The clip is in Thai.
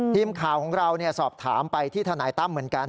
ทีมข่าวของเราสอบถามไปที่ทนายตั้มเหมือนกัน